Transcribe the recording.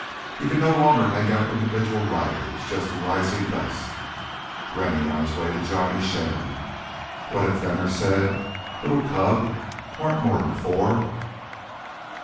He could no longer make out individual riders, just the rising dust. Rennie on his way to Johnny Shannon ... What had Fenner said "li'l cub ... warn't more 'n four."